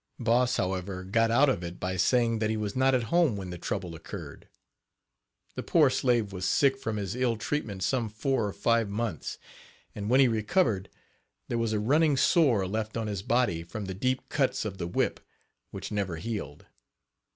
Boss, however, got out of it by saying that he was not at home when the Page 21 trouble occurred. The poor slave was sick from his ill treatment some four or five months, and when he recovered there was a running sore left on his body, from the deep cuts of the whip, which never healed.